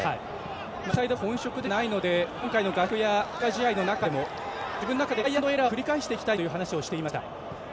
左サイドバックは本職ではないので今回の合宿や強化試合の中でも自分の中でトライアンドエラーを繰り返していきたいんだという話をしていました。